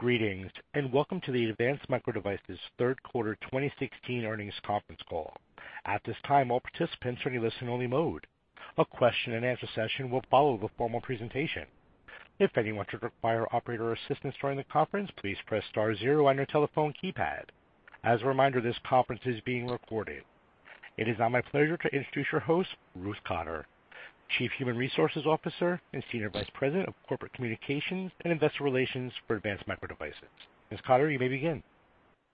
Greetings. Welcome to the Advanced Micro Devices third quarter 2016 earnings conference call. At this time, all participants are in listen-only mode. A question and answer session will follow the formal presentation. If anyone should require operator assistance during the conference, please press star zero on your telephone keypad. As a reminder, this conference is being recorded. It is now my pleasure to introduce your host, Ruth Cotter, Chief Human Resources Officer and Senior Vice President of Corporate Communications and Investor Relations for Advanced Micro Devices. Ms. Cotter, you may begin.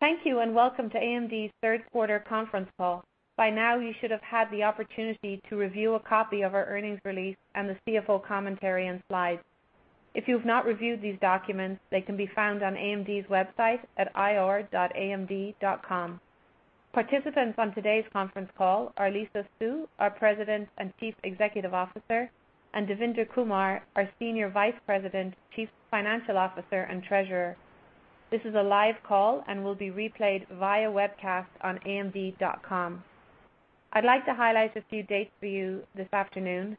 Thank you. Welcome to AMD's third quarter conference call. By now, you should have had the opportunity to review a copy of our earnings release and the CFO commentary and slides. If you have not reviewed these documents, they can be found on AMD's website at ir.amd.com. Participants on today's conference call are Lisa Su, our President and Chief Executive Officer, and Devinder Kumar, our Senior Vice President, Chief Financial Officer, and Treasurer. This is a live call and will be replayed via webcast on amd.com. I'd like to highlight a few dates for you this afternoon.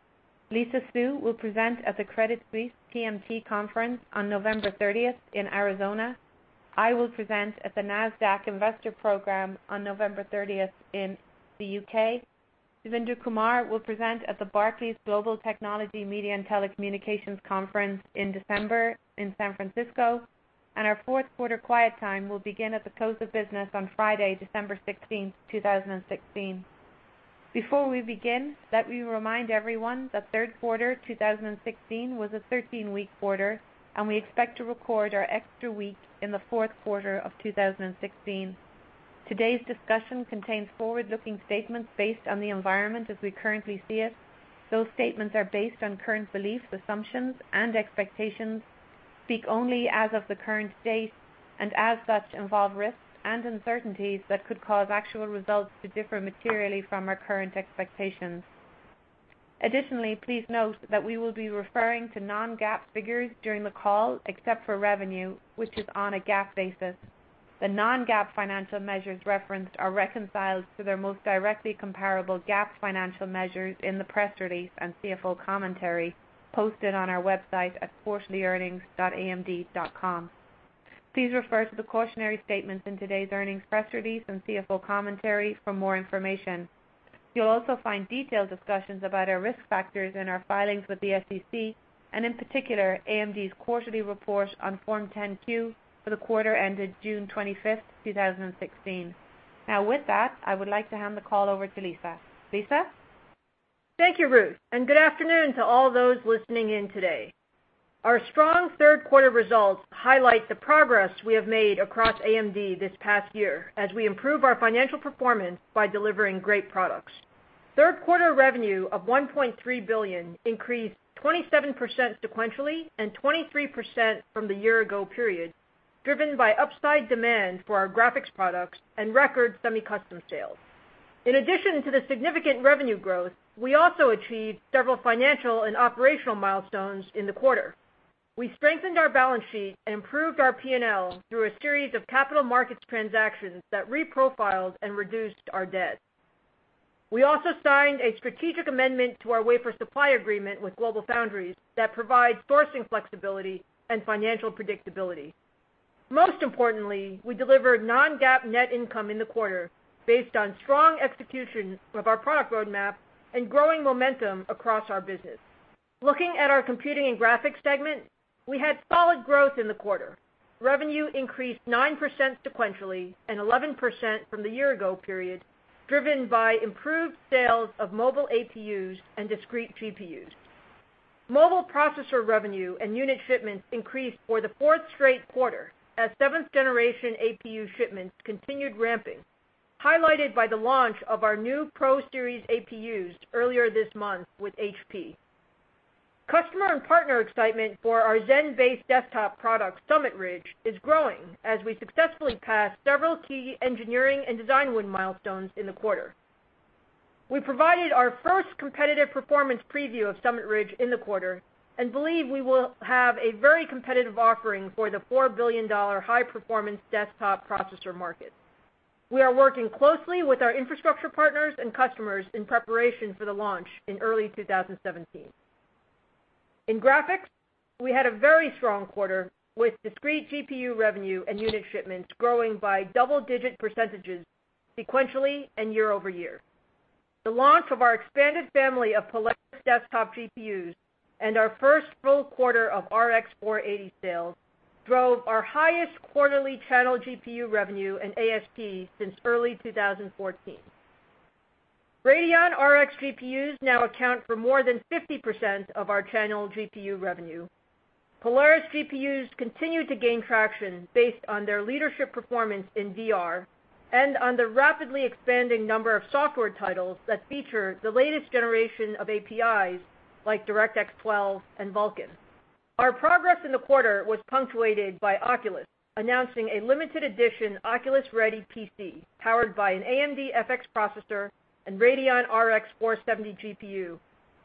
Lisa Su will present at the Credit Suisse TMT Conference on November 30th in Arizona. I will present at the Nasdaq Investor Program on November 30th in the U.K. Devinder Kumar will present at the Barclays Global Technology, Media, and Telecommunications Conference in December in San Francisco. Our fourth quarter quiet time will begin at the close of business on Friday, December 16, 2016. Before we begin, let me remind everyone that third quarter 2016 was a 13-week quarter. We expect to record our extra week in the fourth quarter of 2016. Today's discussion contains forward-looking statements based on the environment as we currently see it. Those statements are based on current beliefs, assumptions, and expectations, speak only as of the current date, and as such, involve risks and uncertainties that could cause actual results to differ materially from our current expectations. Additionally, please note that we will be referring to non-GAAP figures during the call, except for revenue, which is on a GAAP basis. The non-GAAP financial measures referenced are reconciled to their most directly comparable GAAP financial measures in the press release and CFO commentary posted on our website at quarterlyearnings.amd.com. Please refer to the cautionary statements in today's earnings press release and CFO commentary for more information. You'll also find detailed discussions about our risk factors in our filings with the SEC and, in particular, AMD's quarterly report on Form 10-Q for the quarter ended June 25th, 2016. With that, I would like to hand the call over to Lisa. Lisa? Thank you, Ruth, and good afternoon to all those listening in today. Our strong third quarter results highlight the progress we have made across AMD this past year as we improve our financial performance by delivering great products. Third quarter revenue of $1.3 billion increased 27% sequentially and 23% from the year-ago period, driven by upside demand for our graphics products and record semi-custom sales. In addition to the significant revenue growth, we also achieved several financial and operational milestones in the quarter. We strengthened our balance sheet and improved our P&L through a series of capital markets transactions that reprofiled and reduced our debt. We also signed a strategic amendment to our wafer supply agreement with GlobalFoundries that provides sourcing flexibility and financial predictability. Most importantly, we delivered non-GAAP net income in the quarter based on strong execution of our product roadmap and growing momentum across our business. Looking at our computing and graphics segment, we had solid growth in the quarter. Revenue increased 9% sequentially and 11% from the year-ago period, driven by improved sales of mobile APUs and discrete GPUs. Mobile processor revenue and unit shipments increased for the fourth straight quarter as seventh-generation APU shipments continued ramping, highlighted by the launch of our new Pro series APUs earlier this month with HP. Customer and partner excitement for our Zen-based desktop product, Summit Ridge, is growing as we successfully passed several key engineering and design win milestones in the quarter. We provided our first competitive performance preview of Summit Ridge in the quarter and believe we will have a very competitive offering for the $4 billion high-performance desktop processor market. We are working closely with our infrastructure partners and customers in preparation for the launch in early 2017. In graphics, we had a very strong quarter with discrete GPU revenue and unit shipments growing by double-digit percentages sequentially and year-over-year. The launch of our expanded family of Polaris desktop GPUs and our first full quarter of RX 480 sales drove our highest quarterly channel GPU revenue and ASP since early 2014. Radeon RX GPUs now account for more than 50% of our channel GPU revenue. Polaris GPUs continue to gain traction based on their leadership performance in VR and on the rapidly expanding number of software titles that feature the latest generation of APIs like DirectX 12 and Vulkan. Our progress in the quarter was punctuated by Oculus announcing a limited edition Oculus-ready PC powered by an AMD FX processor and Radeon RX 470 GPU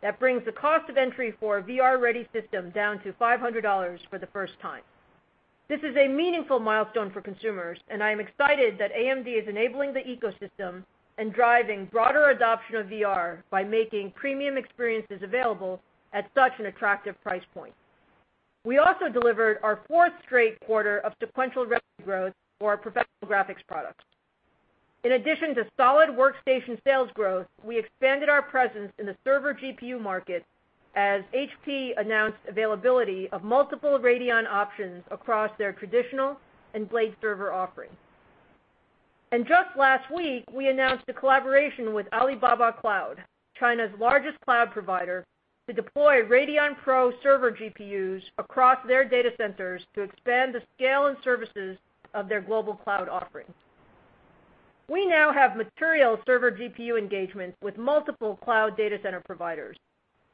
that brings the cost of entry for a VR-ready system down to $500 for the first time. This is a meaningful milestone for consumers, I am excited that AMD is enabling the ecosystem and driving broader adoption of VR by making premium experiences available at such an attractive price point. We also delivered our fourth straight quarter of sequential revenue growth for our professional graphics products. In addition to solid workstation sales growth, we expanded our presence in the server GPU market as HP announced availability of multiple Radeon options across their traditional and blade server offerings. Just last week, we announced a collaboration with Alibaba Cloud, China's largest cloud provider, to deploy Radeon Pro server GPUs across their data centers to expand the scale and services of their global cloud offerings. We now have material server GPU engagements with multiple cloud data center providers,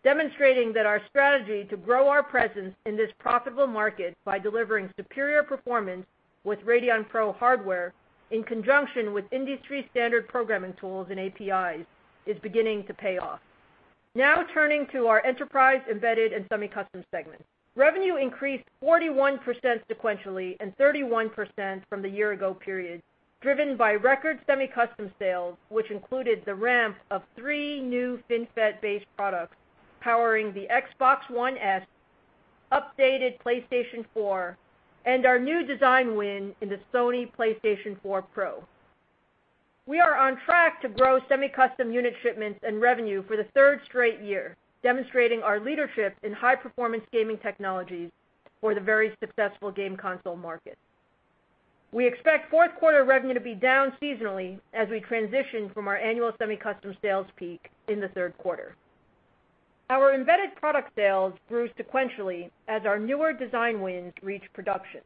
demonstrating that our strategy to grow our presence in this profitable market by delivering superior performance with Radeon Pro hardware in conjunction with industry standard programming tools and APIs is beginning to pay off. Turning to our Enterprise, Embedded and Semi-Custom segment. Revenue increased 41% sequentially and 31% from the year-ago period, driven by record semi-custom sales, which included the ramp of three new FinFET-based products powering the Xbox One S, updated PlayStation 4, and our new design win in the Sony PlayStation 4 Pro. We are on track to grow semi-custom unit shipments and revenue for the third straight year, demonstrating our leadership in high-performance gaming technologies for the very successful game console market. We expect fourth quarter revenue to be down seasonally as we transition from our annual semi-custom sales peak in the third quarter. Our embedded product sales grew sequentially as our newer design wins reach production.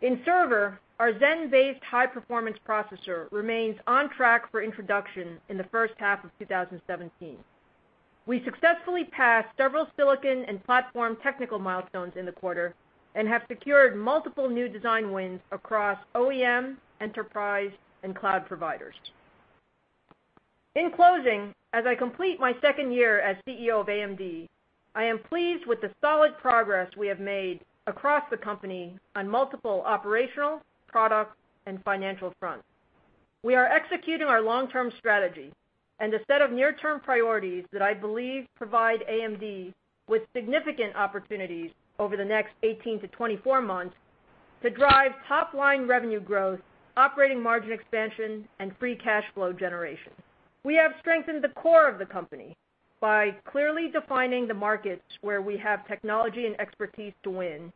In server, our Zen-based high-performance processor remains on track for introduction in the first half of 2017. We successfully passed several silicon and platform technical milestones in the quarter and have secured multiple new design wins across OEM, enterprise, and cloud providers. In closing, as I complete my second year as CEO of AMD, I am pleased with the solid progress we have made across the company on multiple operational, product, and financial fronts. We are executing our long-term strategy and a set of near-term priorities that I believe provide AMD with significant opportunities over the next 18-24 months to drive top-line revenue growth, operating margin expansion, and free cash flow generation. We have strengthened the core of the company by clearly defining the markets where we have technology and expertise to win.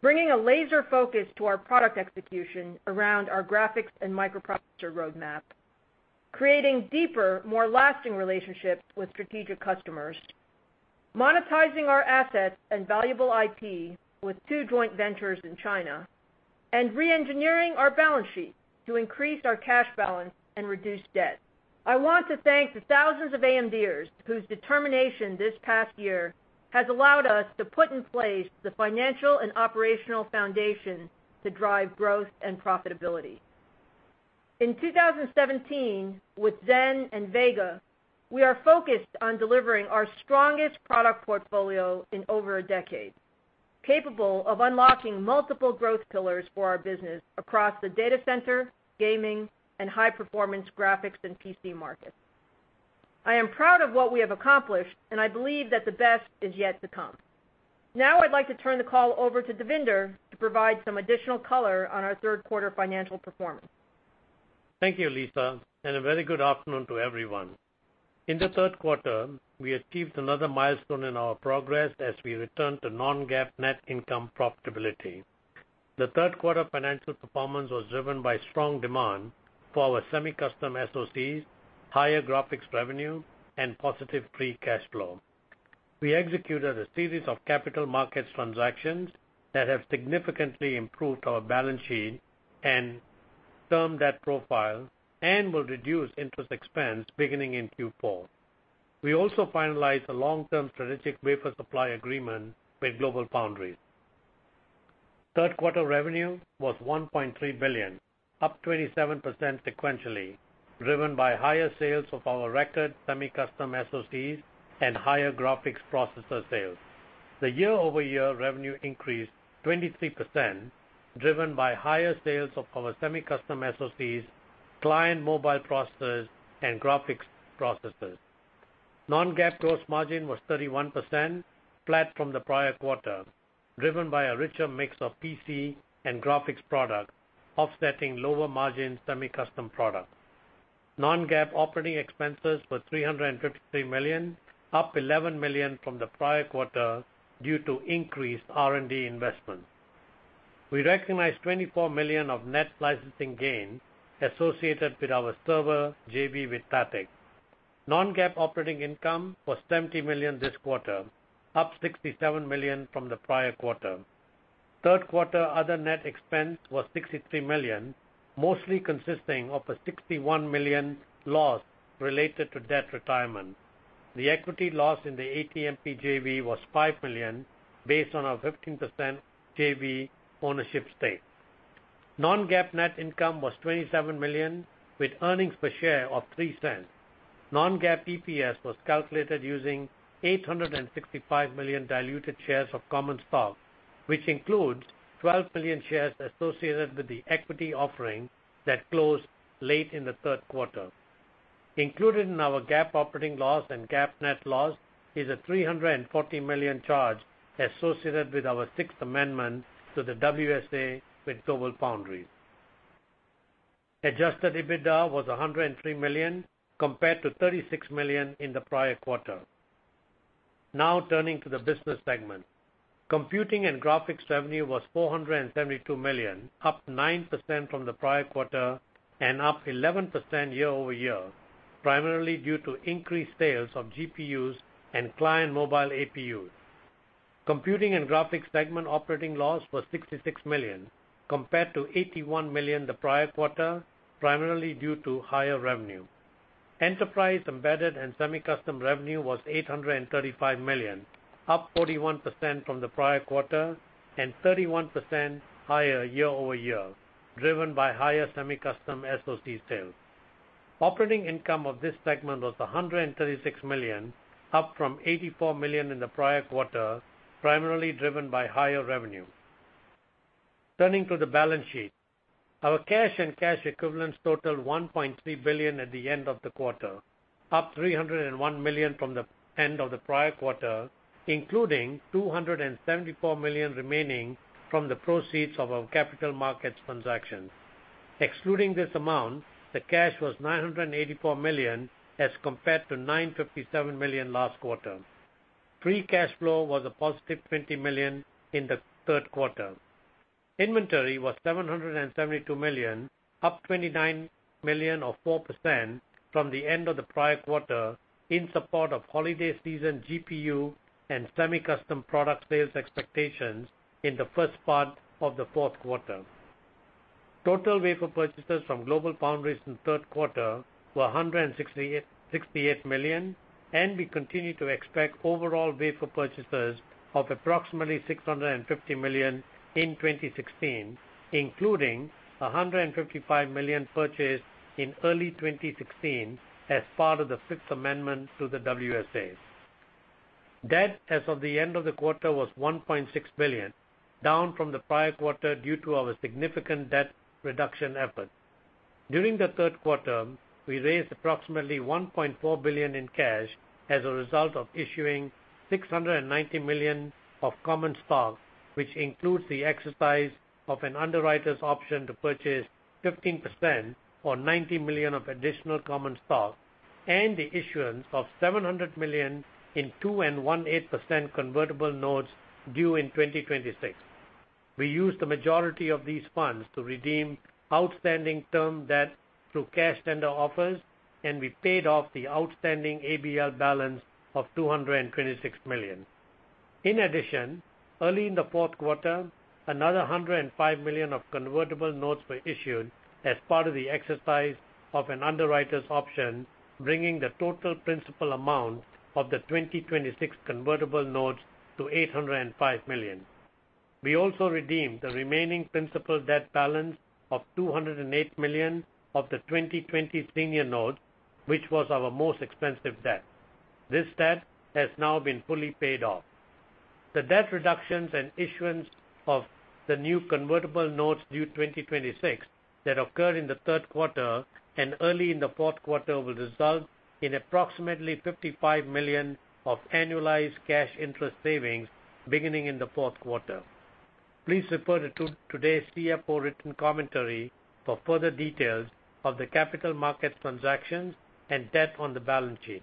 Bringing a laser focus to our product execution around our graphics and microprocessor roadmap. Creating deeper, more lasting relationships with strategic customers. Monetizing our assets and valuable IP with two joint ventures in China. And re-engineering our balance sheet to increase our cash balance and reduce debt. I want to thank the thousands of AMDers whose determination this past year has allowed us to put in place the financial and operational foundation to drive growth and profitability. In 2017, with Zen and Vega, we are focused on delivering our strongest product portfolio in over a decade, capable of unlocking multiple growth pillars for our business across the data center, gaming, and high-performance graphics and PC markets. I am proud of what we have accomplished, and I believe that the best is yet to come. I'd like to turn the call over to Devinder to provide some additional color on our third quarter financial performance. Thank you, Lisa, and a very good afternoon to everyone. In the third quarter, we achieved another milestone in our progress as we returned to non-GAAP net income profitability. The third quarter financial performance was driven by strong demand for our semi-custom SOCs, higher graphics revenue, and positive free cash flow. We executed a series of capital markets transactions that have significantly improved our balance sheet and term debt profile and will reduce interest expense beginning in Q4. We also finalized a long-term strategic wafer supply agreement with GlobalFoundries. Third quarter revenue was $1.3 billion, up 27% sequentially, driven by higher sales of our record semi-custom SOCs and higher graphics processor sales. The year-over-year revenue increased 23%, driven by higher sales of our semi-custom SOCs, client mobile processors, and graphics processors. Non-GAAP gross margin was 31%, flat from the prior quarter, driven by a richer mix of PC and graphics products, offsetting lower-margin semi-custom products. Non-GAAP operating expenses were $353 million, up $11 million from the prior quarter due to increased R&D investments. We recognized $24 million of net licensing gains associated with our server JV with THATIC. Non-GAAP operating income was $70 million this quarter, up $67 million from the prior quarter. Third quarter other net expense was $63 million, mostly consisting of a $61 million loss related to debt retirement. The equity loss in the ATMP JV was $5 million based on our 15% JV ownership stake. Non-GAAP net income was $27 million with earnings per share of $0.03. Non-GAAP EPS was calculated using 865 million diluted shares of common stock, which includes 12 million shares associated with the equity offering that closed late in the third quarter. Included in our GAAP operating loss and GAAP net loss is a $340 million charge associated with our sixth amendment to the WSA with GlobalFoundries. Adjusted EBITDA was $103 million compared to $36 million in the prior quarter. Now turning to the business segment. Computing and graphics revenue was $472 million, up 9% from the prior quarter and up 11% year-over-year, primarily due to increased sales of GPUs and client mobile APUs. Computing and graphics segment operating loss was $66 million, compared to $81 million the prior quarter, primarily due to higher revenue. Enterprise, Embedded and Semi-Custom revenue was $835 million, up 41% from the prior quarter and 31% higher year-over-year, driven by higher semi-custom SoC sales. Operating income of this segment was $136 million, up from $84 million in the prior quarter, primarily driven by higher revenue. Turning to the balance sheet. Our cash and cash equivalents totaled $1.3 billion at the end of the quarter, up $301 million from the end of the prior quarter, including $274 million remaining from the proceeds of our capital markets transaction. Excluding this amount, the cash was $984 million as compared to $957 million last quarter. Free cash flow was a positive $20 million in the third quarter. Inventory was $772 million, up $29 million or 4% from the end of the prior quarter in support of holiday season GPU and semi-custom product sales expectations in the first part of the fourth quarter. Total wafer purchases from GlobalFoundries in the third quarter were $168 million, and we continue to expect overall wafer purchases of approximately $650 million in 2016, including $155 million purchased in early 2016 as part of the sixth amendment to the WSAs. Debt as of the end of the quarter was $1.6 billion, down from the prior quarter due to our significant debt reduction effort. During the third quarter, we raised approximately $1.4 billion in cash as a result of issuing $690 million of common stock, which includes the exercise of an underwriter's option to purchase 15% or $90 million of additional common stock and the issuance of $700 million in two and one-eighth percent convertible notes due in 2026. We used the majority of these funds to redeem outstanding term debt through cash tender offers, and we paid off the outstanding ABL balance of $226 million. Early in the fourth quarter, another $105 million of convertible notes were issued as part of the exercise of an underwriter's option, bringing the total principal amount of the 2026 convertible notes to $805 million. We also redeemed the remaining principal debt balance of $208 million of the 2020 senior note, which was our most expensive debt. This debt has now been fully paid off. The debt reductions and issuance of the new convertible notes due 2026 that occurred in the third quarter and early in the fourth quarter will result in approximately $55 million of annualized cash interest savings beginning in the fourth quarter. Please refer to today's CFO written commentary for further details of the capital markets transactions and debt on the balance sheet.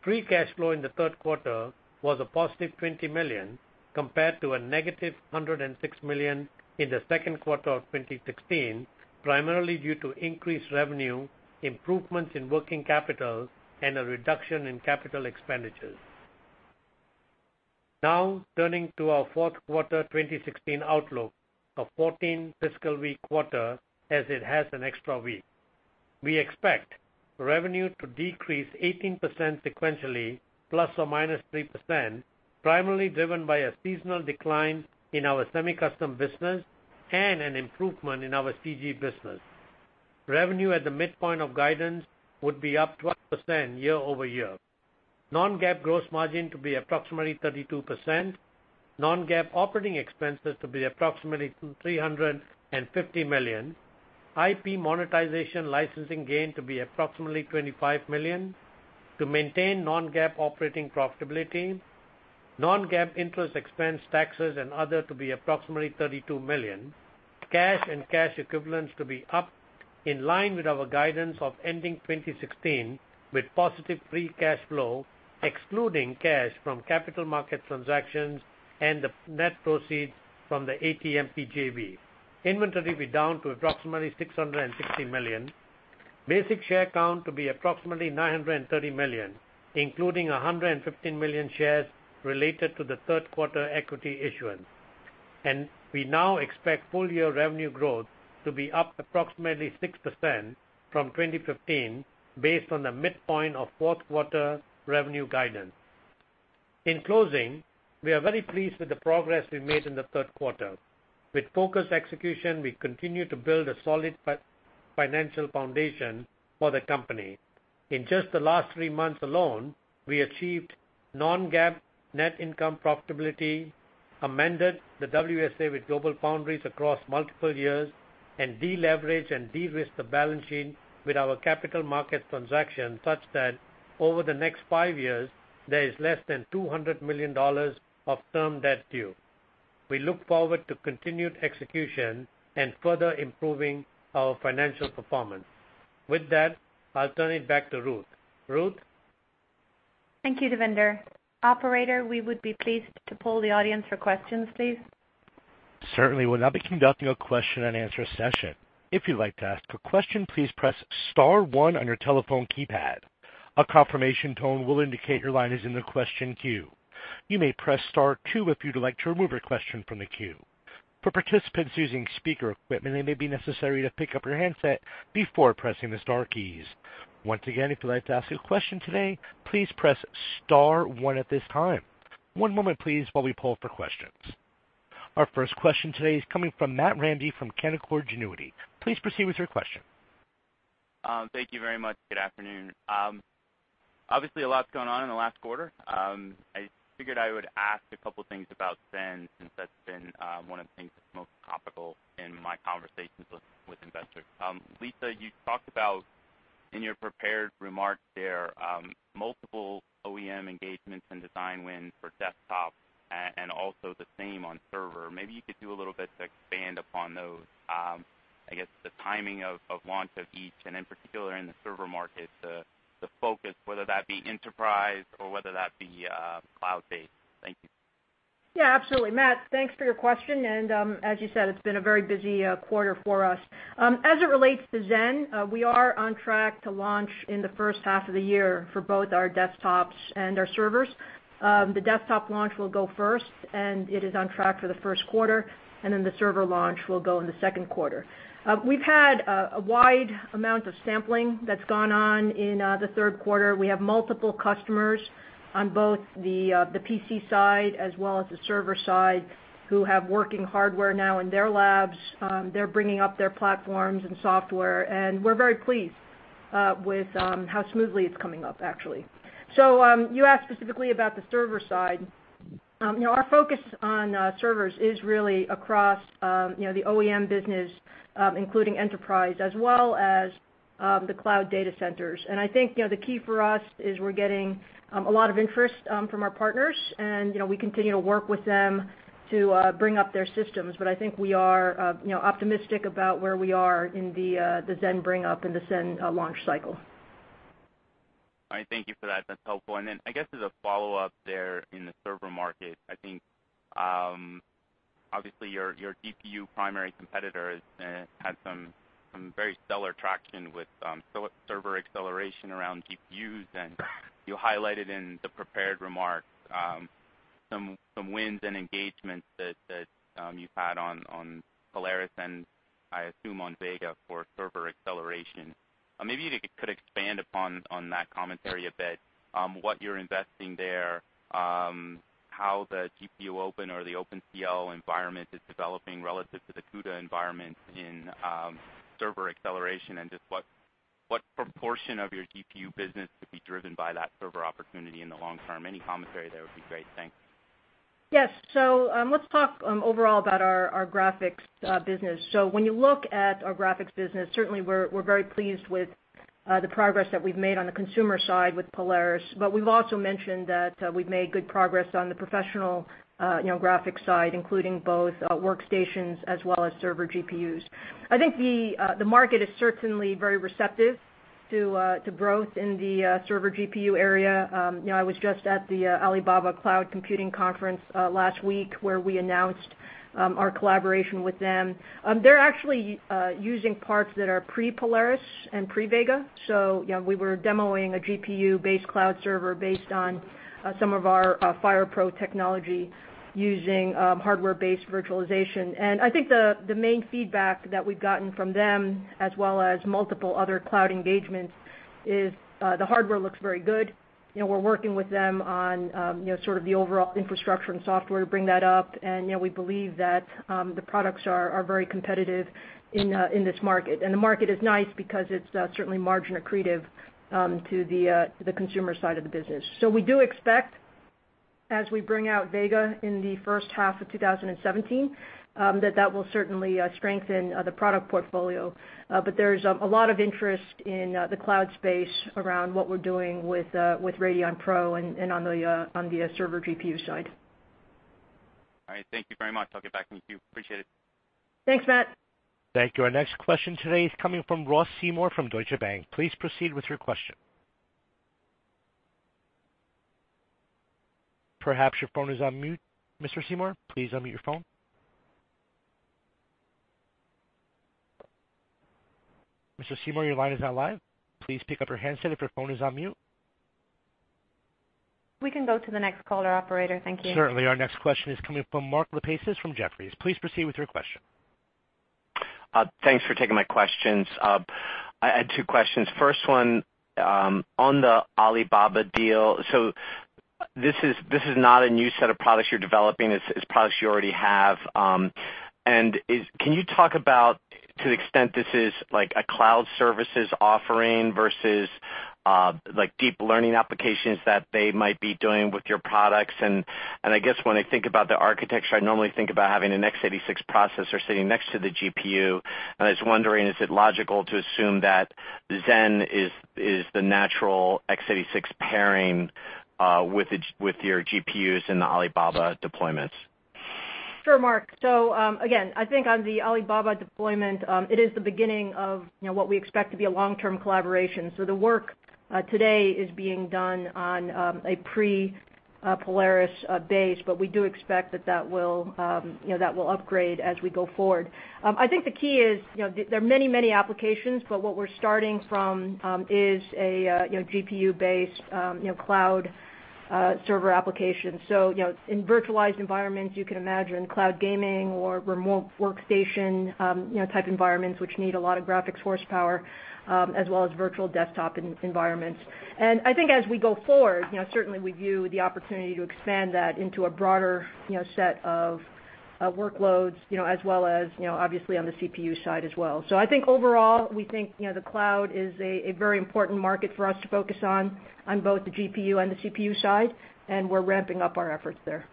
Free cash flow in the third quarter was a positive $20 million compared to a negative $106 million in the second quarter of 2016, primarily due to increased revenue, improvements in working capital, and a reduction in capital expenditures. Turning to our fourth quarter 2016 outlook, a 14 fiscal week quarter, as it has an extra week. We expect revenue to decrease 18% sequentially, ±3%, primarily driven by a seasonal decline in our semi-custom business and an improvement in our CG business. Revenue at the midpoint of guidance would be up 12% year-over-year. Non-GAAP gross margin to be approximately 32%, non-GAAP operating expenses to be approximately $350 million, IP monetization licensing gain to be approximately $25 million. To maintain non-GAAP operating profitability, non-GAAP interest expense taxes and other to be approximately $32 million, cash and cash equivalents to be up in line with our guidance of ending 2016 with positive free cash flow, excluding cash from capital market transactions and the net proceeds from the ATMP JV. Inventory be down to approximately $660 million. Basic share count to be approximately 930 million, including 115 million shares related to the third quarter equity issuance. We now expect full year revenue growth to be up approximately 6% from 2015 based on the midpoint of fourth quarter revenue guidance. In closing, we are very pleased with the progress we've made in the third quarter. With focused execution, we continue to build a solid financial foundation for the company. In just the last three months alone, we achieved non-GAAP net income profitability, amended the WSA with GlobalFoundries across multiple years, and de-leveraged and de-risked the balance sheet with our capital markets transaction, such that over the next five years, there is less than $200 million of term debt due. We look forward to continued execution and further improving our financial performance. With that, I'll turn it back to Ruth. Ruth? Thank you, Devinder. Operator, we would be pleased to poll the audience for questions, please. Certainly. We'll now be conducting a question and answer session. If you'd like to ask a question, please press *1 on your telephone keypad. A confirmation tone will indicate your line is in the question queue. You may press *2 if you'd like to remove your question from the queue. For participants using speaker equipment, it may be necessary to pick up your handset before pressing the star keys. Once again, if you'd like to ask a question today, please press *1 at this time. One moment, please, while we poll for questions. Our first question today is coming from Matt Ramsay from Canaccord Genuity. Please proceed with your question. Thank you very much. Good afternoon. Obviously, a lot's gone on in the last quarter. I figured I would ask a couple things about Zen, since that's been one of the things that's most topical in my conversations with investors. Lisa, you talked about, in your prepared remarks there, multiple OEM engagements and design wins for desktop and also the same on server. Maybe you could do a little bit to expand upon those. I guess the timing of launch of each and in particular in the server market, the focus, whether that be enterprise or whether that be cloud-based. Thank you. Yeah, absolutely. Matt, thanks for your question. As you said, it's been a very busy quarter for us. As it relates to Zen, we are on track to launch in the first half of the year for both our desktops and our servers. The desktop launch will go first, and it is on track for the first quarter, and then the server launch will go in the second quarter. We've had a wide amount of sampling that's gone on in the third quarter. We have multiple customers on both the PC side as well as the server side who have working hardware now in their labs. They're bringing up their platforms and software, and we're very pleased with how smoothly it's coming up, actually. You asked specifically about the server side. Our focus on servers is really across the OEM business, including enterprise as well as the cloud data centers. I think, the key for us is we're getting a lot of interest from our partners, and we continue to work with them to bring up their systems. I think we are optimistic about where we are in the Zen bring up and the Zen launch cycle. All right. Thank you for that. That's helpful. Then I guess as a follow-up there in the server market, I think, obviously your GPU primary competitor has had some very stellar traction with server acceleration around GPUs. You highlighted in the prepared remarks some wins and engagements that you've had on Polaris and I assume on Vega for server acceleration. Maybe you could expand upon that commentary a bit, what you're investing there, how the GPUOpen or the OpenCL environment is developing relative to the CUDA environment in server acceleration, and just what proportion of your GPU business could be driven by that server opportunity in the long term. Any commentary there would be great. Thanks. Yes. Let's talk overall about our graphics business. When you look at our graphics business, certainly we're very pleased with the progress that we've made on the consumer side with Polaris. We've also mentioned that we've made good progress on the professional graphics side, including both workstations as well as server GPUs. I think the market is certainly very receptive to growth in the server GPU area. I was just at the Alibaba Cloud Computing Conference last week, where we announced our collaboration with them. They're actually using parts that are pre-Polaris and pre-Vega. We were demoing a GPU-based cloud server based on some of our FirePro technology using hardware-based virtualization. I think the main feedback that we've gotten from them, as well as multiple other cloud engagements, is the hardware looks very good. We're working with them on sort of the overall infrastructure and software to bring that up. We believe that the products are very competitive in this market. The market is nice because it's certainly margin accretive to the consumer side of the business. We do expect, as we bring out Vega in the first half of 2017, that will certainly strengthen the product portfolio. There's a lot of interest in the cloud space around what we're doing with Radeon Pro and on the server GPU side. All right. Thank you very much. I'll get back in queue. Appreciate it. Thanks, Matt. Thank you. Our next question today is coming from Ross Seymore from Deutsche Bank. Please proceed with your question. Perhaps your phone is on mute, Mr. Seymore. Please unmute your phone. Mr. Seymore, your line is now live. Please pick up your handset if your phone is on mute. We can go to the next caller, operator. Thank you. Certainly. Our next question is coming from Mark Lipacis from Jefferies. Please proceed with your question. Thanks for taking my questions. I had two questions. First one, on the Alibaba deal. This is not a new set of products you're developing, it's products you already have. Can you talk about, to the extent this is a cloud services offering versus deep learning applications that they might be doing with your products? I guess when I think about the architecture, I normally think about having an x86 processor sitting next to the GPU, and I was wondering, is it logical to assume that Zen is the natural x86 pairing with your GPUs in the Alibaba deployments? Sure, Mark. Again, I think on the Alibaba deployment, it is the beginning of what we expect to be a long-term collaboration. The work today is being done on a pre-Polaris base, but we do expect that that will upgrade as we go forward. I think the key is, there are many, many applications, but what we're starting from is a GPU-based cloud server application. In virtualized environments, you can imagine cloud gaming or remote workstation type environments, which need a lot of graphics horsepower, as well as virtual desktop environments. I think as we go forward, certainly we view the opportunity to expand that into a broader set of workloads, as well as obviously on the CPU side as well. I think overall, we think the cloud is a very important market for us to focus on both the GPU and the CPU side, and we're ramping up our efforts there.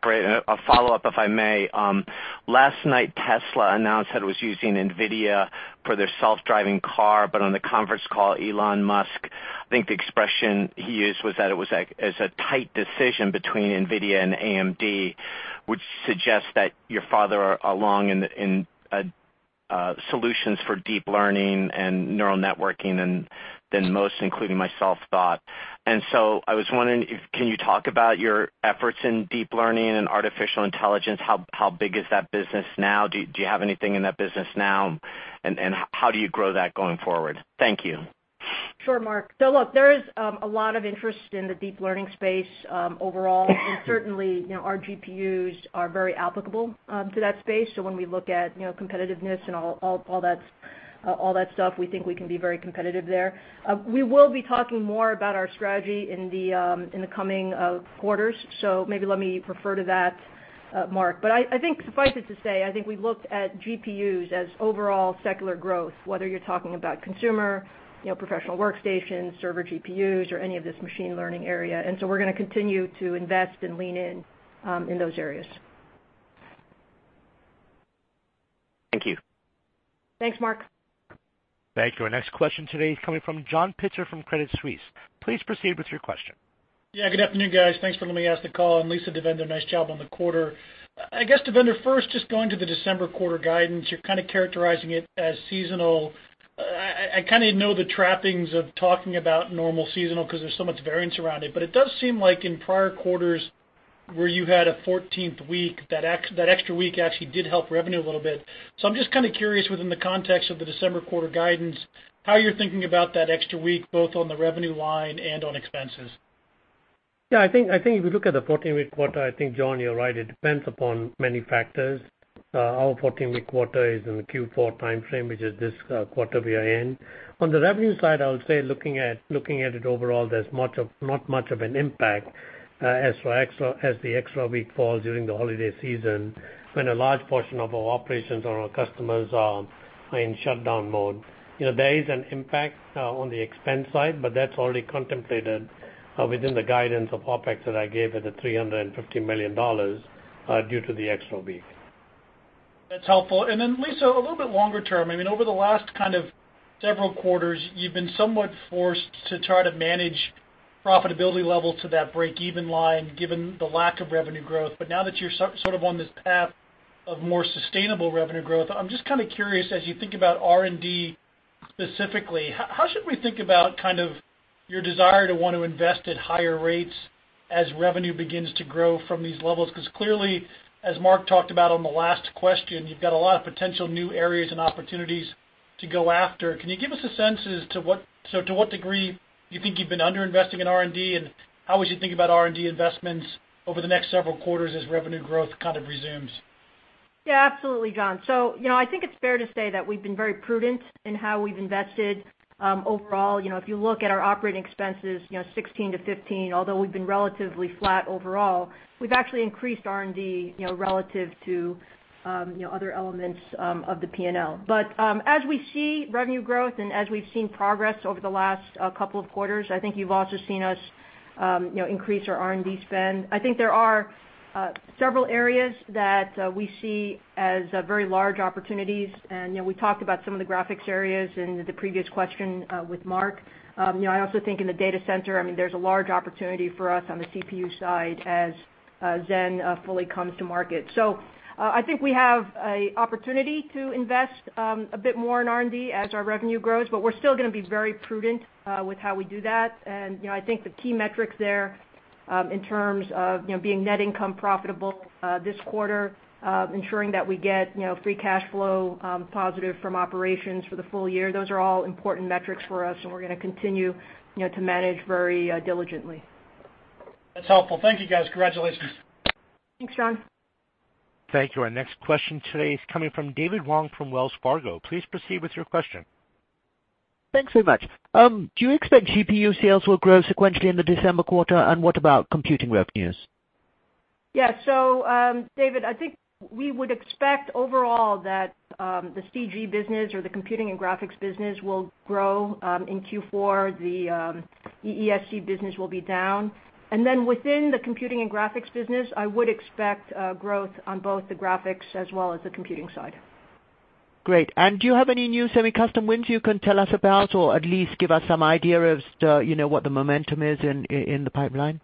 Great. A follow-up, if I may. Last night, Tesla announced that it was using NVIDIA for their self-driving car. On the conference call, Elon Musk, I think the expression he used was that it was a tight decision between NVIDIA and AMD, which suggests that you're farther along in solutions for deep learning and neural networking than most, including myself, thought. I was wondering, can you talk about your efforts in deep learning and artificial intelligence? How big is that business now? Do you have anything in that business now? How do you grow that going forward? Thank you. Sure, Mark. Look, there is a lot of interest in the deep learning space overall, and certainly, our GPUs are very applicable to that space. When we look at competitiveness and all that stuff, we think we can be very competitive there. We will be talking more about our strategy in the coming quarters, so maybe let me refer to that, Mark. I think suffice it to say, I think we've looked at GPUs as overall secular growth, whether you're talking about consumer, professional workstations, server GPUs, or any of this machine learning area. We're going to continue to invest and lean in in those areas. Thank you. Thanks, Mark. Thank you. Our next question today is coming from John Pitzer from Credit Suisse. Please proceed with your question. Good afternoon, guys. Thanks for letting me ask the call. Lisa, Devinder, nice job on the quarter. I guess, Devinder, first, just going to the December quarter guidance, you're kind of characterizing it as seasonal. I kind of know the trappings of talking about normal seasonal because there's so much variance around it. It does seem like in prior quarters where you had a 14th week, that extra week actually did help revenue a little bit. I'm just kind of curious within the context of the December quarter guidance, how you're thinking about that extra week, both on the revenue line and on expenses. Yeah, I think if you look at the 14-week quarter, I think John, you're right. It depends upon many factors. Our 14-week quarter is in the Q4 timeframe, which is this quarter we are in. On the revenue side, I would say looking at it overall, there's not much of an impact as the extra week falls during the holiday season when a large portion of our operations or our customers are in shutdown mode. There is an impact on the expense side, but that's already contemplated within the guidance of OpEx that I gave at the $350 million due to the extra week. That's helpful. Then Lisa, a little bit longer term, over the last kind of several quarters, you've been somewhat forced to try to manage profitability level to that break-even line, given the lack of revenue growth. Now that you're sort of on this path of more sustainable revenue growth, I'm just kind of curious, as you think about R&D specifically, how should we think about your desire to want to invest at higher rates as revenue begins to grow from these levels? Because clearly, as Mark talked about on the last question, you've got a lot of potential new areas and opportunities to go after. Can you give us a sense as to what degree you think you've been under-investing in R&D, and how would you think about R&D investments over the next several quarters as revenue growth kind of resumes? Absolutely, John. I think it's fair to say that we've been very prudent in how we've invested overall. If you look at our operating expenses, 2016 to 2015, although we've been relatively flat overall, we've actually increased R&D relative to other elements of the P&L. As we see revenue growth and as we've seen progress over the last couple of quarters, I think you've also seen us increase our R&D spend. I think there are several areas that we see as very large opportunities, and we talked about some of the graphics areas in the previous question with Mark. I also think in the data center, there's a large opportunity for us on the CPU side as Zen fully comes to market. I think we have a opportunity to invest a bit more in R&D as our revenue grows, but we're still going to be very prudent with how we do that. I think the key metrics there in terms of being net income profitable this quarter, ensuring that we get free cash flow positive from operations for the full year, those are all important metrics for us, and we're going to continue to manage very diligently. That's helpful. Thank you, guys. Congratulations. Thanks, John. Thank you. Our next question today is coming from David Wong from Wells Fargo. Please proceed with your question. Thanks so much. Do you expect GPU sales will grow sequentially in the December quarter? What about computing revenues? Yeah. David, I think we would expect overall that the CG business or the computing and graphics business will grow, in Q4. The EESC business will be down. Then within the computing and graphics business, I would expect growth on both the graphics as well as the computing side. Great. Do you have any new semi-custom wins you can tell us about, or at least give us some idea of what the momentum is in the pipeline?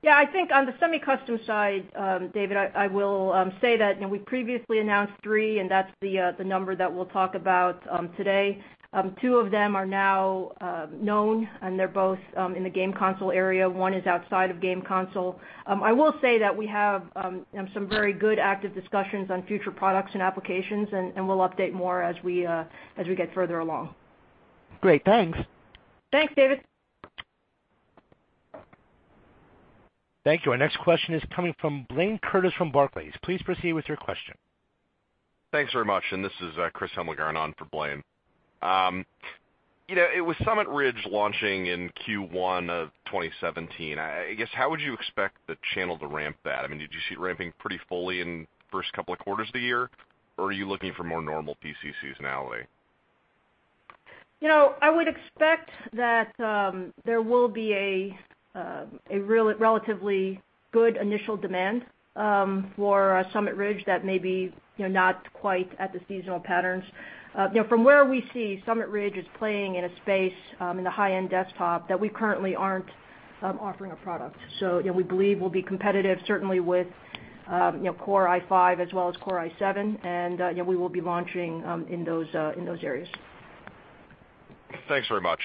Yeah, I think on the semi-custom side, David, I will say that we previously announced three, and that's the number that we'll talk about today. Two of them are now known, and they're both in the game console area. One is outside of game console. I will say that we have some very good active discussions on future products and applications, and we'll update more as we get further along. Great. Thanks. Thanks, David. Thank you. Our next question is coming from Blayne Curtis from Barclays. Please proceed with your question. Thanks very much. This is Chris Hemmelgarn, going on for Blayne. With Summit Ridge launching in Q1 of 2017, I guess, how would you expect the channel to ramp that? Did you see it ramping pretty fully in the first couple of quarters of the year, or are you looking for more normal PC seasonality? I would expect that there will be a relatively good initial demand for Summit Ridge that may be not quite at the seasonal patterns. From where we see, Summit Ridge is playing in a space, in the high-end desktop, that we currently aren't offering a product. We believe we'll be competitive, certainly with Core i5 as well as Core i7, and we will be launching in those areas. Thanks very much.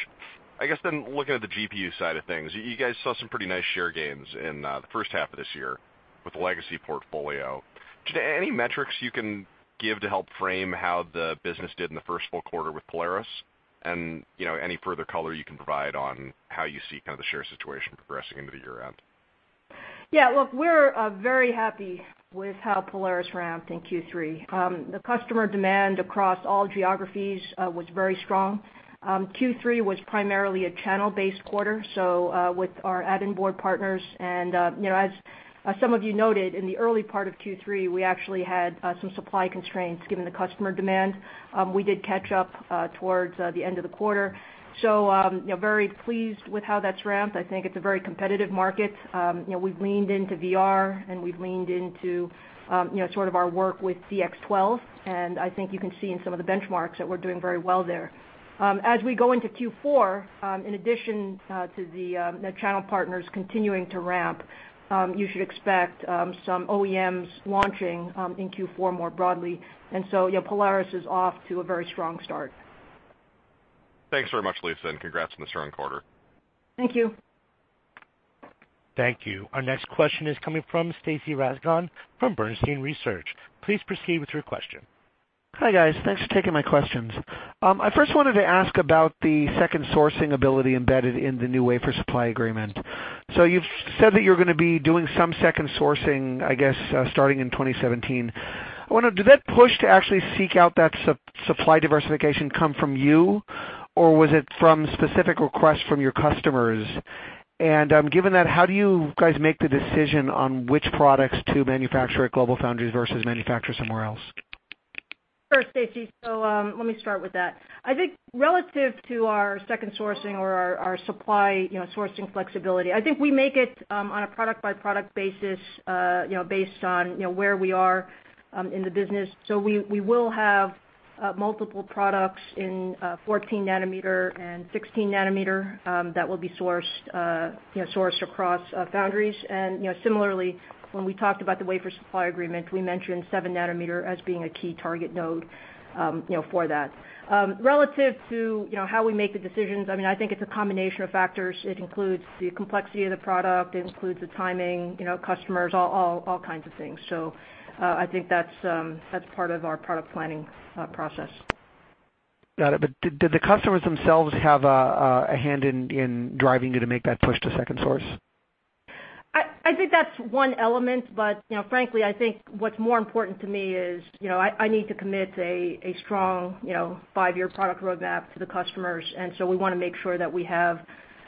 Looking at the GPU side of things, you guys saw some pretty nice share gains in the first half of this year with the legacy portfolio. Any metrics you can give to help frame how the business did in the first full quarter with Polaris, and any further color you can provide on how you see the share situation progressing into the year-end? Look, we're very happy with how Polaris ramped in Q3. The customer demand across all geographies was very strong. Q3 was primarily a channel-based quarter, so with our add-in board partners. As some of you noted, in the early part of Q3, we actually had some supply constraints given the customer demand. We did catch up towards the end of the quarter. Very pleased with how that's ramped. I think it's a very competitive market. We've leaned into VR and we've leaned into our work with DX 12, and I think you can see in some of the benchmarks that we're doing very well there. As we go into Q4, in addition to the net channel partners continuing to ramp, you should expect some OEMs launching in Q4 more broadly. Polaris is off to a very strong start. Thanks very much, Lisa, and congrats on the strong quarter. Thank you. Thank you. Our next question is coming from Stacy Rasgon from Bernstein Research. Please proceed with your question. Hi, guys. Thanks for taking my questions. I first wanted to ask about the second sourcing ability embedded in the new wafer supply agreement. You've said that you're going to be doing some second sourcing, I guess, starting in 2017. I wonder, did that push to actually seek out that supply diversification come from you, or was it from specific requests from your customers? Given that, how do you guys make the decision on which products to manufacture at GlobalFoundries versus manufacture somewhere else? Sure, Stacy. Let me start with that. I think relative to our second sourcing or our supply sourcing flexibility, I think we make it on a product-by-product basis, based on where we are in the business. We will have multiple products in 14 nanometer and 16 nanometer that will be sourced across foundries. Similarly, when we talked about the wafer supply agreement, we mentioned seven nanometer as being a key target node for that. Relative to how we make the decisions, I think it's a combination of factors. It includes the complexity of the product, it includes the timing, customers, all kinds of things. I think that's part of our product planning process. Got it. Did the customers themselves have a hand in driving you to make that push to second source? I think that's one element, but frankly, I think what's more important to me is I need to commit a strong five-year product roadmap to the customers. We want to make sure that we have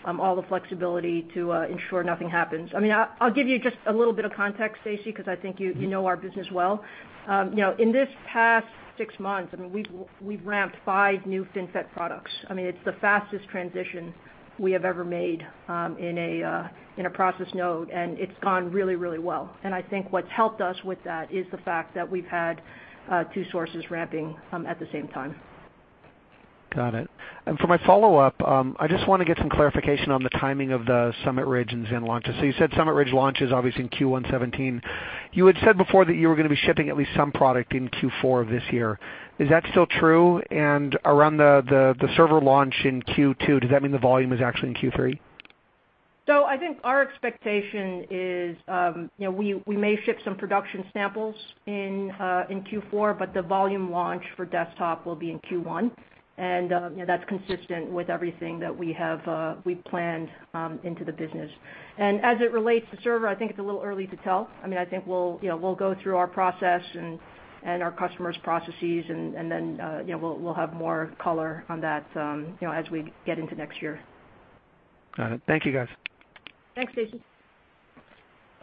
all the flexibility to ensure nothing happens. I'll give you just a little bit of context, Stacy, because I think you know our business well. In this past six months, we've ramped five new FinFET products. It's the fastest transition we have ever made in a process node, and it's gone really well. I think what's helped us with that is the fact that we've had two sources ramping at the same time. Got it. For my follow-up, I just want to get some clarification on the timing of the Summit Ridge and Zen launches. You said Summit Ridge launch is obviously in Q1 2017. You had said before that you were going to be shipping at least some product in Q4 of this year. Is that still true? Around the server launch in Q2, does that mean the volume is actually in Q3? I think our expectation is, we may ship some production samples in Q4, but the volume launch for desktop will be in Q1. That's consistent with everything that we've planned into the business. As it relates to server, I think it's a little early to tell. I think we'll go through our process and our customers' processes, and then we'll have more color on that as we get into next year. Got it. Thank you, guys. Thanks, Stacy.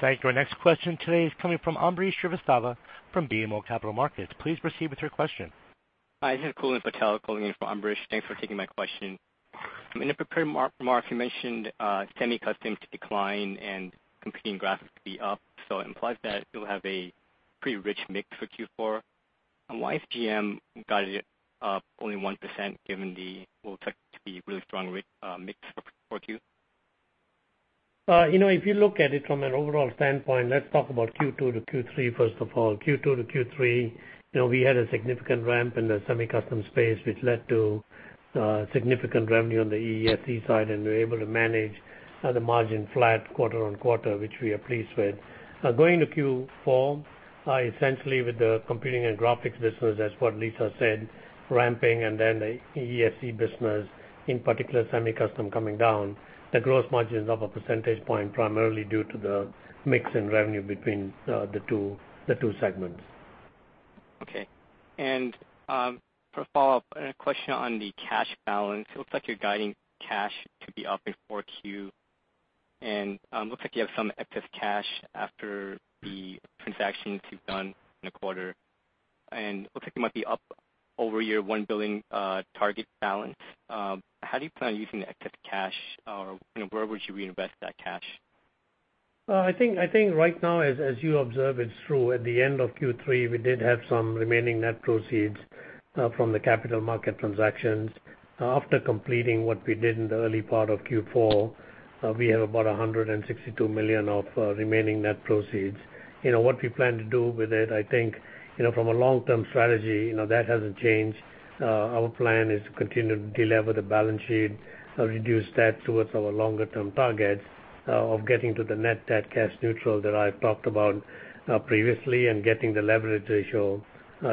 Thank you. Our next question today is coming from Ambrish Srivastava from BMO Capital Markets. Please proceed with your question. Hi, this is Kulen Patel calling in for Ambrish. Thanks for taking my question. In the prepared remarks, you mentioned semi-custom to decline and computing graphics to be up. It implies that you'll have a pretty rich mix for Q4. Why is GM guided up only 1% given what looks to be really strong mix for 4Q? If you look at it from an overall standpoint, let's talk about Q2 to Q3, first of all. Q2 to Q3, we had a significant ramp in the semi-custom space, which led to significant revenue on the EES side, and we were able to manage the margin flat quarter-on-quarter, which we are pleased with. Going to Q4, essentially with the computing and graphics business, as what Lisa said, ramping and the EES business, in particular semi-custom coming down, the gross margin is up a percentage point primarily due to the mix in revenue between the two segments. Okay. For follow-up, a question on the cash balance. It looks like you're guiding cash to be up in 4Q, and looks like you have some excess cash after the transactions you've done in the quarter, and looks like you might be up over your $1 billion target balance. How do you plan on using the excess cash? Where would you reinvest that cash? Right now, as you observe, it's true, at the end of Q3, we did have some remaining net proceeds from the capital market transactions. After completing what we did in the early part of Q4, we have about $162 million of remaining net proceeds. What we plan to do with it, from a long-term strategy, that hasn't changed. Our plan is to continue to delever the balance sheet, reduce debt towards our longer-term target of getting to the net debt cash neutral that I've talked about previously, and getting the leverage ratio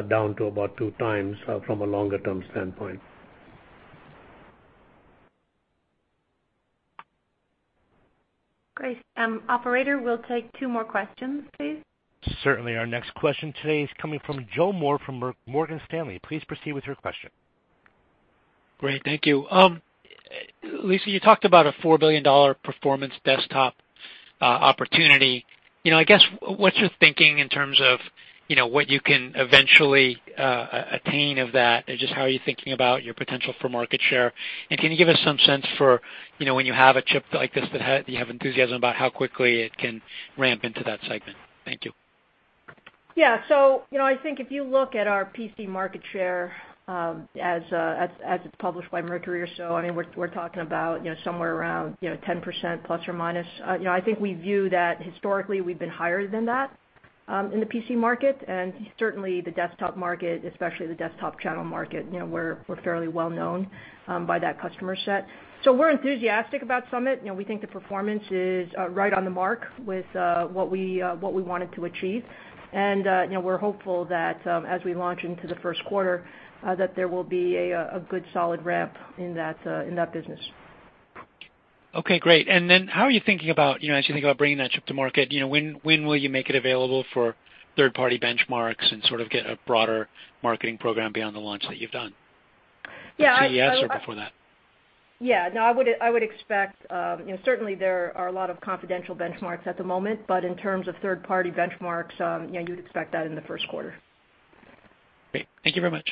down to about two times from a longer-term standpoint. Great. Operator, we'll take two more questions, please. Certainly. Our next question today is coming from Joe Moore from Morgan Stanley. Please proceed with your question. Great. Thank you. Lisa, you talked about a $4 billion performance desktop opportunity. I guess, what's your thinking in terms of what you can eventually attain of that? Just how are you thinking about your potential for market share, can you give us some sense for when you have a chip like this that you have enthusiasm about how quickly it can ramp into that segment? Thank you. Yeah. I think if you look at our PC market share, as it's published by Mercury or so, we're talking about somewhere around 10% plus or minus. I think we view that historically we've been higher than that in the PC market, certainly the desktop market, especially the desktop channel market, we're fairly well known by that customer set. We're enthusiastic about Summit. We think the performance is right on the mark with what we wanted to achieve. We're hopeful that as we launch into the first quarter, that there will be a good solid ramp in that business. Okay, great. Then how are you thinking about, as you think about bringing that chip to market, when will you make it available for third-party benchmarks and sort of get a broader marketing program beyond the launch that you've done? At CES or before that? Yeah. No, I would expect, certainly there are a lot of confidential benchmarks at the moment, but in terms of third-party benchmarks, you'd expect that in the first quarter. Great. Thank you very much.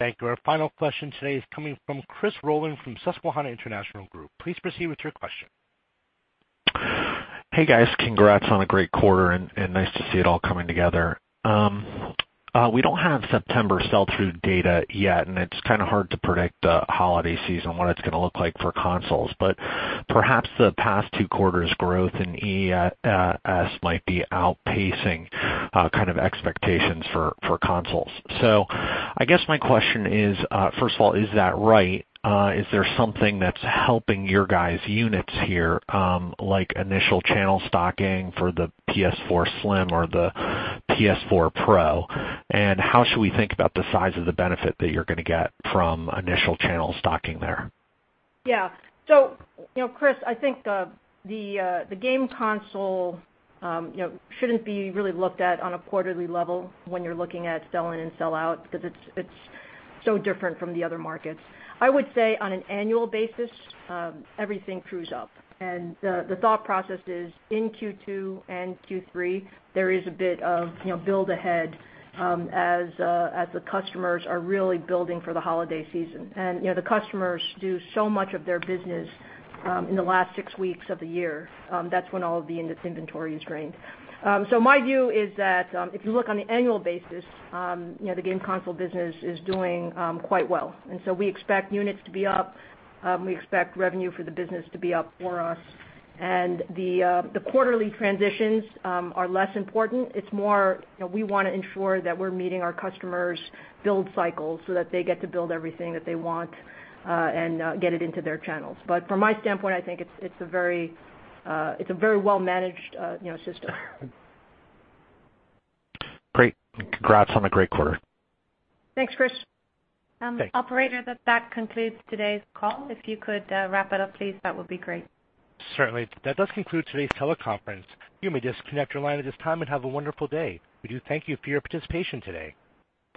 Thank you. Our final question today is coming from Chris Rolland from Susquehanna International Group. Please proceed with your question. Hey, guys. Congrats on a great quarter, nice to see it all coming together. We don't have September sell-through data yet, it's kind of hard to predict the holiday season, what it's going to look like for consoles. Perhaps the past two quarters' growth in EES might be outpacing kind of expectations for consoles. I guess my question is, first of all, is that right? Is there something that's helping your guys' units here, like initial channel stocking for the PS4 Slim or the PS4 Pro? How should we think about the size of the benefit that you're going to get from initial channel stocking there? Yeah. Chris, I think the game console shouldn't be really looked at on a quarterly level when you're looking at sell-in and sell-out, because it's so different from the other markets. I would say on an annual basis, everything trues up, the thought process is in Q2 and Q3, there is a bit of build ahead, as the customers are really building for the holiday season. The customers do so much of their business in the last six weeks of the year. That's when all of the inventory is drained. My view is that, if you look on an annual basis, the game console business is doing quite well. We expect units to be up. We expect revenue for the business to be up for us. The quarterly transitions are less important. It's more we want to ensure that we're meeting our customers' build cycles so that they get to build everything that they want, get it into their channels. From my standpoint, I think it's a very well-managed system. Great. Congrats on a great quarter. Thanks, Chris. Thanks. Operator, that concludes today's call. If you could wrap it up, please, that would be great. Certainly. That does conclude today's teleconference. You may disconnect your line at this time, and have a wonderful day. We do thank you for your participation today.